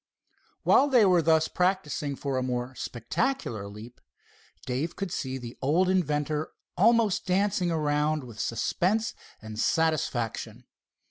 While they were thus practicing for a more spectacular leap, Dave could see the old inventor almost dancing around with suspense and satisfaction.